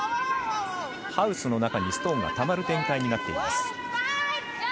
ハウスの中にストーンがたまる展開になっています。